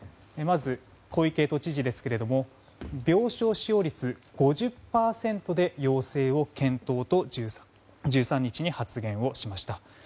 まず、小池都知事ですが病床使用率５０％で要請を検討と１３日に発言をしました。